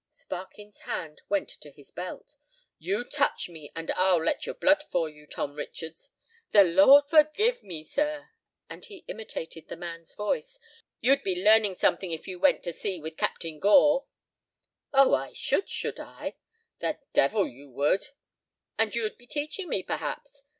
Sparkin's hand went to his belt. "You touch me, and I'll let your blood for you, Tom Richards. The Lord forgive me, sir"—and he imitated the man's voice—"you'd be learning something if you went to sea with Captain Gore." "Oh, I should, should I!" "The devil you would." "And you'd be teaching me, perhaps!"